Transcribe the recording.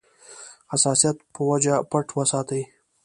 حساسیت په وجه پټ وساتي.